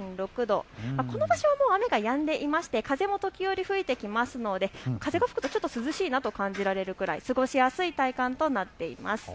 この場所はもう雨がやんでいまして風も時折吹いてきますので風が吹くとちょっと涼しいなと感じられるくらい、過ごしやすい体感となっています。